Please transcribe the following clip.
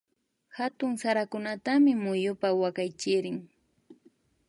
Hatun sarakunatami muyupa wakaychirin